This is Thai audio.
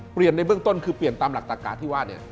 เปลี่ยนในเบื้องต้นคือเปลี่ยนตามหลักตะกะที่ว่า